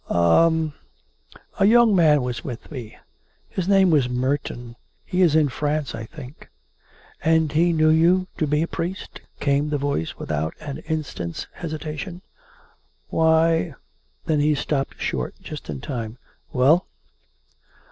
"" A ... a young man was with me. His name was Merton. He is in France, I think." " And he knew you to be a priest? " came the voice with out an instant's hesitation. " Why " Then he stopped short, just in time. "Well?"